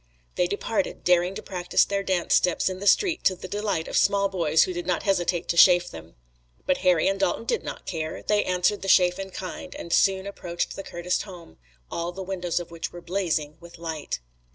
They departed, daring to practice their dance steps in the street to the delight of small boys who did not hesitate to chaff them. But Harry and Dalton did not care. They answered the chaff in kind, and soon approached the Curtis home, all the windows of which were blazing with light.